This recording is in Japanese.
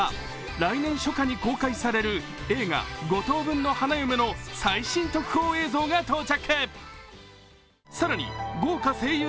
来年初夏に公開される映画「五等分の花嫁」の最新特報映像が到着。